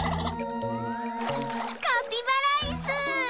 カピバライス！